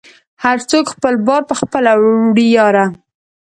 هر څوک خپل بار په خپله وړی یاره